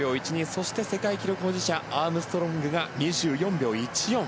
そして、世界記録保持者アームストロングが２４秒１４。